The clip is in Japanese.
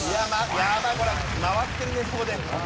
やばいこれ回ってるねそこで。